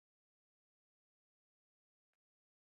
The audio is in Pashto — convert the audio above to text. څنګه چي په اورګاډي کي کښېناستم، کړکۍ ته مې وکتل.